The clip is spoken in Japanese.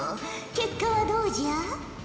結果はどうじゃ？